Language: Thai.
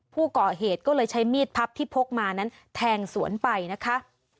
ผู้ก่อเหตุก็เลยใช้มีดพับที่พกมานั้นแทงสวนไปนะคะ